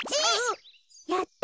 やった！